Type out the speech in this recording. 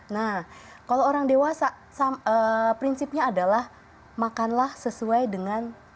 nah kalau orang dewasa prinsipnya adalah makanlah sesuai dengan